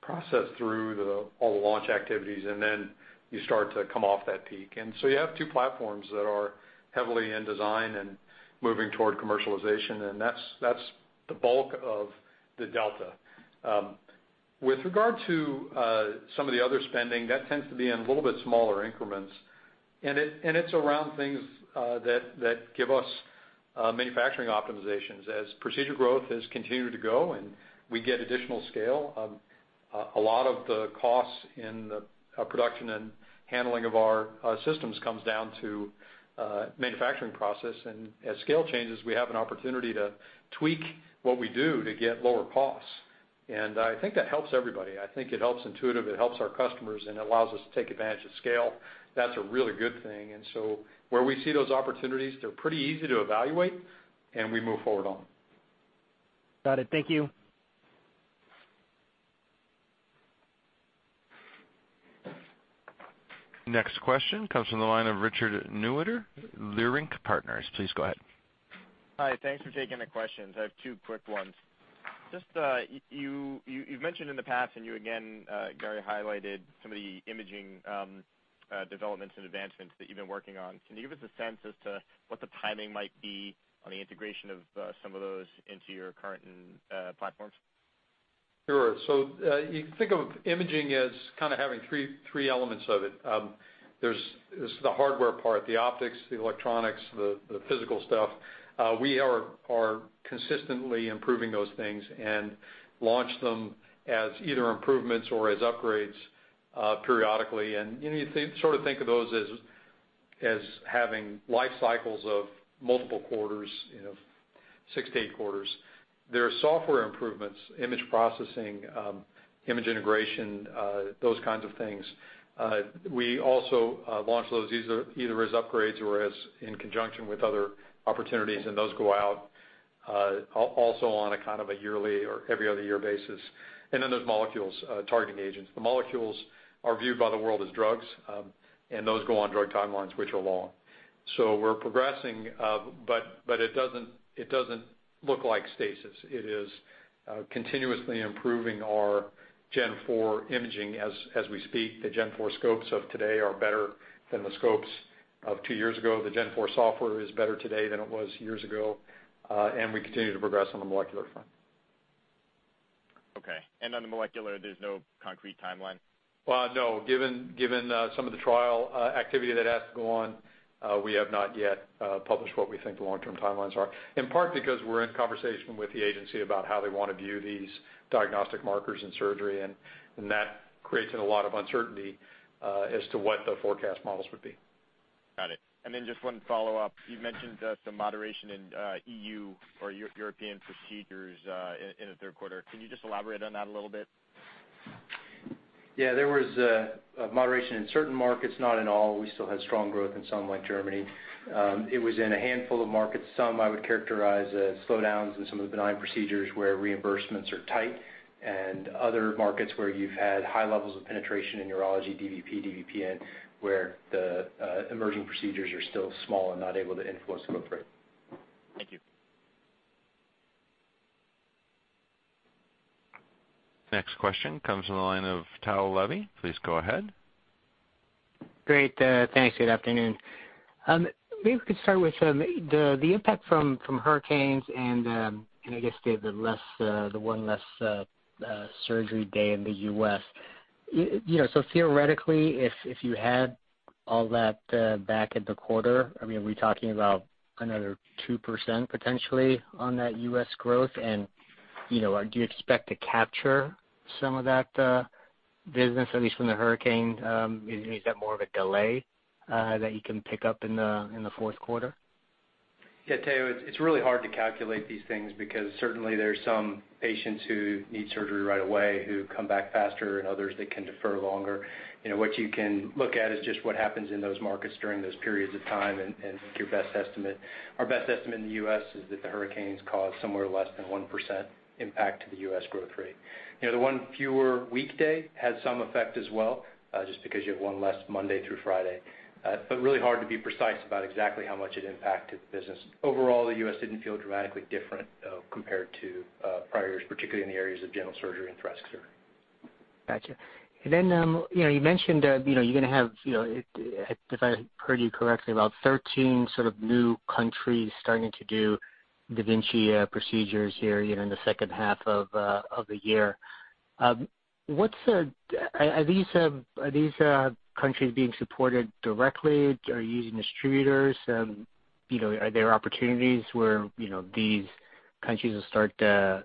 process through all the launch activities, then you start to come off that peak. You have two platforms that are heavily in design and moving toward commercialization, and that's the bulk of the delta. With regard to some of the other spending, that tends to be in a little bit smaller increments, and it's around things that give us manufacturing optimizations. As procedure growth has continued to go and we get additional scale, a lot of the costs in the production and handling of our systems comes down to manufacturing process. As scale changes, we have an opportunity to tweak what we do to get lower costs. I think that helps everybody. I think it helps Intuitive, it helps our customers, and it allows us to take advantage of scale. That's a really good thing. Where we see those opportunities, they're pretty easy to evaluate, and we move forward on them. Got it. Thank you. Next question comes from the line of Richard Newitter, Leerink Partners. Please go ahead. Hi. Thanks for taking the questions. I have two quick ones. You've mentioned in the past, and you again, Gary, highlighted some of the imaging developments and advancements that you've been working on. Can you give us a sense as to what the timing might be on the integration of some of those into your current platforms? Sure. You can think of imaging as kind of having three elements of it. There's the hardware part, the optics, the electronics, the physical stuff. We are consistently improving those things and launch them as either improvements or as upgrades periodically. You sort of think of those as having life cycles of multiple quarters, six to eight quarters. There are software improvements, image processing, image integration, those kinds of things. We also launch those either as upgrades or in conjunction with other opportunities, and those go out also on a kind of yearly or every other year basis. Then there's molecules, targeting agents. The molecules are viewed by the world as drugs, and those go on drug timelines, which are long. We're progressing, but it doesn't look like stasis. It is continuously improving our gen four imaging as we speak. The Gen four scopes of today are better than the scopes of two years ago. The Gen four software is better today than it was years ago. We continue to progress on the molecular front. Okay. On the molecular, there's no concrete timeline? Well, no, given some of the trial activity that has to go on, we have not yet published what we think the long-term timelines are, in part because we're in conversation with the agency about how they want to view these diagnostic markers in surgery, and that creates a lot of uncertainty as to what the forecast models would be. Got it. Just one follow-up. You mentioned some moderation in EU or European procedures in the third quarter. Can you just elaborate on that a little bit? Yeah. There was a moderation in certain markets, not in all. We still had strong growth in some like Germany. It was in a handful of markets. Some I would characterize as slowdowns in some of the benign procedures where reimbursements are tight and other markets where you've had high levels of penetration in urology, DVP, DVPN, where the emerging procedures are still small and not able to influence scope rate. Thank you. Next question comes from the line of Tao Levy. Please go ahead. Great. Thanks. Good afternoon. Theoretically, we could start with the impact from hurricanes and, I guess, the one less surgery day in the U.S. Theoretically, if you had all that back in the quarter, are we talking about another 2% potentially on that U.S. growth? Do you expect to capture some of that business, at least from the hurricane? Is that more of a delay that you can pick up in the fourth quarter? Yeah, Tao, it's really hard to calculate these things because certainly there's some patients who need surgery right away who come back faster and others that can defer longer. What you can look at is just what happens in those markets during those periods of time and make your best estimate. Our best estimate in the U.S. is that the hurricanes caused somewhere less than 1% impact to the U.S. growth rate. The one fewer weekday had some effect as well, just because you have one less Monday through Friday. Really hard to be precise about exactly how much it impacted business. Overall, the U.S. didn't feel dramatically different compared to prior years, particularly in the areas of general surgery and thoracic surgery. Got you. You mentioned you're going to have, if I heard you correctly, about 13 sort of new countries starting to do da Vinci procedures here in the second half of the year. Are these countries being supported directly? Are you using distributors? Are there opportunities where these countries will start to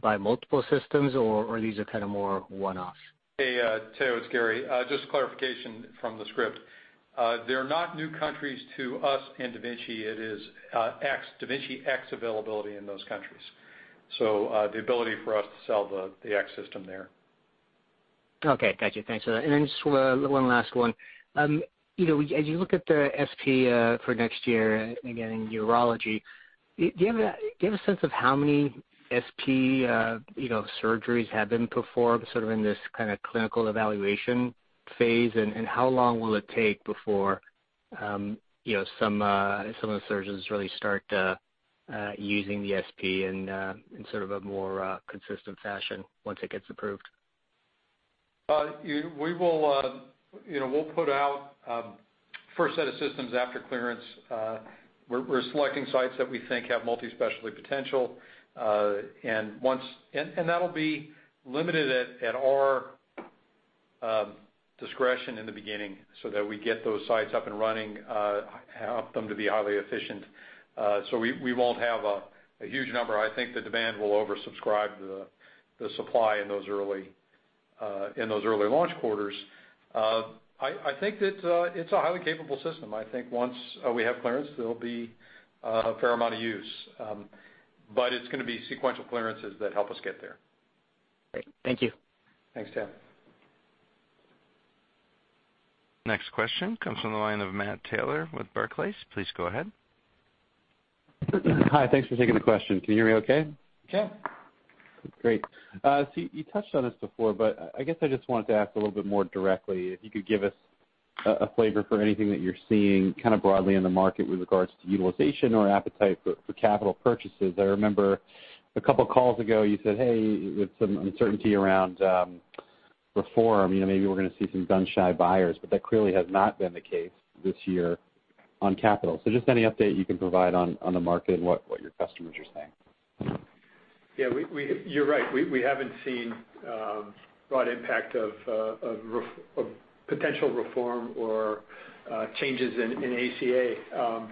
buy multiple systems, or are these are kind of more one-offs? Hey, Tao, it's Gary. Just clarification from the script. They're not new countries to us in da Vinci. It is X, da Vinci X availability in those countries. The ability for us to sell the X system there. Okay. Got you. Thanks for that. Just one last one. As you look at the SP for next year, again, in urology, do you have a sense of how many SP surgeries have been performed sort of in this kind of clinical evaluation phase, and how long will it take before some of the surgeons really start using the SP in sort of a more consistent fashion once it gets approved? We'll put out first set of systems after clearance. We're selecting sites that we think have multi-specialty potential. That'll be limited at our discretion in the beginning so that we get those sites up and running, help them to be highly efficient. We won't have a huge number. I think the demand will oversubscribe the supply in those early launch quarters. I think that it's a highly capable system. I think once we have clearance, there'll be a fair amount of use. It's going to be sequential clearances that help us get there. Great. Thank you. Thanks, Tao. Next question comes from the line of Matthew Taylor with Barclays. Please go ahead. Hi. Thanks for taking the question. Can you hear me okay? Yeah. Great. You touched on this before, I guess I just wanted to ask a little bit more directly if you could give us a flavor for anything that you're seeing kind of broadly in the market with regards to utilization or appetite for capital purchases. I remember a couple of calls ago, you said, hey, with some uncertainty around reform, maybe we're going to see some gun-shy buyers, that clearly has not been the case this year on capital. Just any update you can provide on the market and what your customers are saying. Yeah, you're right. We haven't seen broad impact of potential reform or changes in ACA.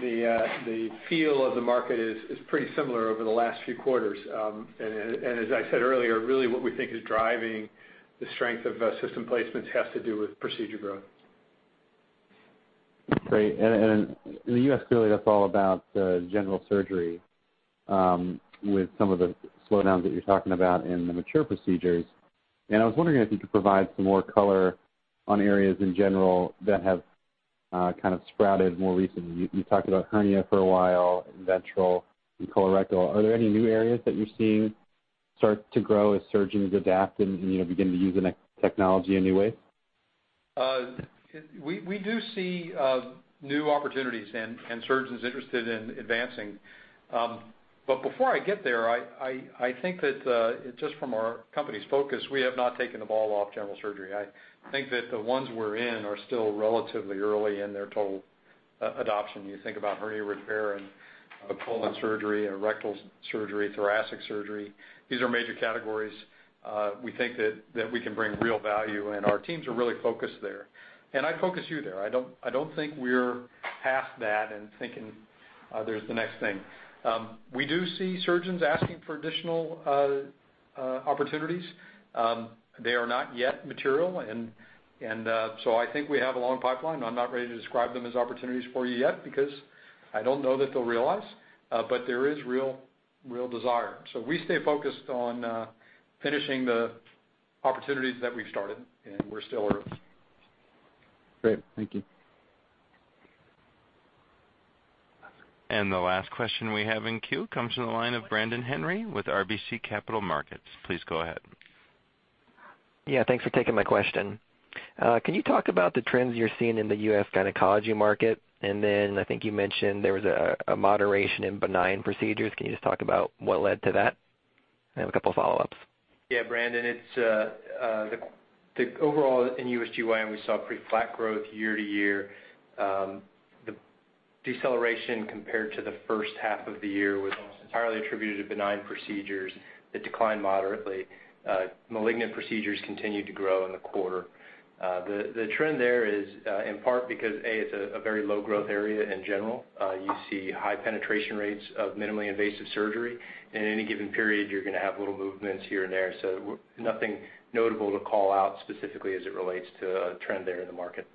The feel of the market is pretty similar over the last few quarters. As I said earlier, really what we think is driving the strength of system placements has to do with procedure growth. Great. In the U.S., clearly that's all about general surgery with some of the slowdowns that you're talking about in the mature procedures. I was wondering if you could provide some more color on areas in general that have Kind of sprouted more recently. You talked about hernia for a while, ventral and colorectal. Are there any new areas that you're seeing start to grow as surgeons adapt and begin to use the technology in new ways? We do see new opportunities and surgeons interested in advancing. Before I get there, I think that just from our company's focus, we have not taken the ball off general surgery. I think that the ones we're in are still relatively early in their total adoption. You think about hernia repair and colon surgery and rectal surgery, thoracic surgery. These are major categories. We think that we can bring real value, our teams are really focused there. I'd focus you there. I don't think we're past that and thinking there's the next thing. We do see surgeons asking for additional opportunities. They are not yet material, I think we have a long pipeline, I'm not ready to describe them as opportunities for you yet because I don't know that they'll realize. There is real desire. We stay focused on finishing the opportunities that we've started, and we're still early. Great. Thank you. The last question we have in queue comes from the line of Brandon Henry with RBC Capital Markets. Please go ahead. Yeah, thanks for taking my question. Can you talk about the trends you're seeing in the U.S. gynecology market? I think you mentioned there was a moderation in benign procedures. Can you just talk about what led to that? I have a couple of follow-ups. Yeah, Brandon, it's the overall in U.S. GYN, we saw pretty flat growth year-over-year. The deceleration compared to the first half of the year was almost entirely attributed to benign procedures that declined moderately. Malignant procedures continued to grow in the quarter. The trend there is in part because, A, it's a very low growth area in general. You see high penetration rates of minimally invasive surgery. In any given period, you're going to have little movements here and there. Nothing notable to call out specifically as it relates to a trend there in the market.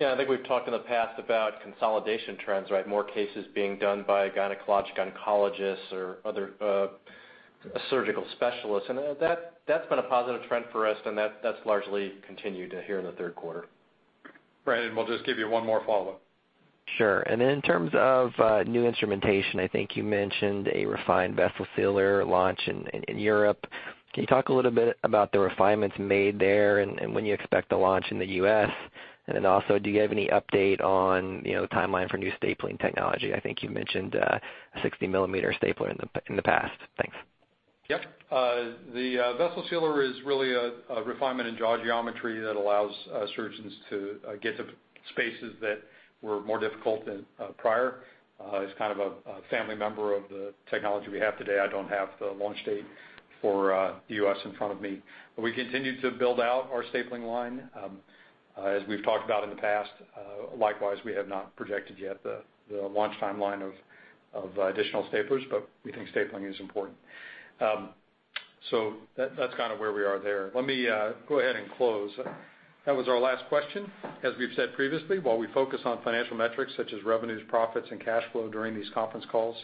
Yeah, I think we've talked in the past about consolidation trends, right? More cases being done by gynecologic oncologists or other surgical specialists, and that's been a positive trend for us, and that's largely continued here in the third quarter. Brandon, we'll just give you one more follow-up. Sure. In terms of new instrumentation, I think you mentioned a refined Vessel Sealer launch in Europe. Can you talk a little bit about the refinements made there and when you expect to launch in the U.S.? Also, do you have any update on the timeline for new stapling technology? I think you mentioned a 60 millimeter stapler in the past. Thanks. Yep. The vessel sealer is really a refinement in jaw geometry that allows surgeons to get to spaces that were more difficult than prior. It's kind of a family member of the technology we have today. I don't have the launch date for the U.S. in front of me. We continue to build out our stapling line. As we've talked about in the past, likewise, we have not projected yet the launch timeline of additional staplers, we think stapling is important. That's kind of where we are there. Let me go ahead and close. That was our last question. As we've said previously, while we focus on financial metrics such as revenues, profits, and cash flow during these conference calls,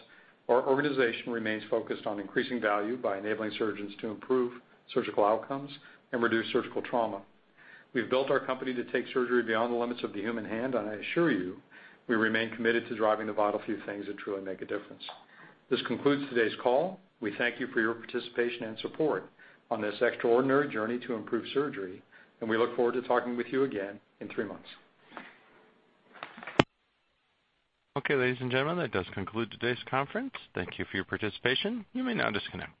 our organization remains focused on increasing value by enabling surgeons to improve surgical outcomes and reduce surgical trauma. We've built our company to take surgery beyond the limits of the human hand, I assure you, we remain committed to driving the vital few things that truly make a difference. This concludes today's call. We thank you for your participation and support on this extraordinary journey to improve surgery, we look forward to talking with you again in three months. Okay, ladies and gentlemen, that does conclude today's conference. Thank you for your participation. You may now disconnect.